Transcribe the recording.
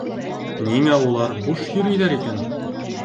Ниңә улар буш йөрөйҙәр икән?